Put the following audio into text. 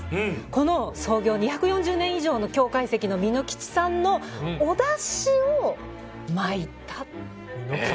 この創業２４０年以上の京懐石の美濃吉さんのおだしを巻いた。